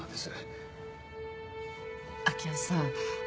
明生さん。